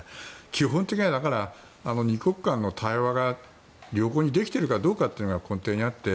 基本的には二国間の対話が良好にできているかというのが根底にあって